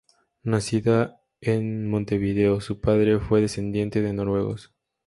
Nacida en Montevideo; su padre fue descendiente de noruegos.